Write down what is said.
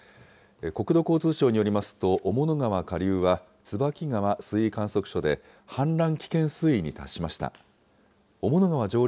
国土交通省によりますと、雄物川下流は椿川水位観測所で、氾濫危険水位に達しました。